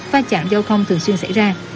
và chạm dâu thông thường xuyên xảy ra